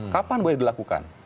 kapan boleh dilakukan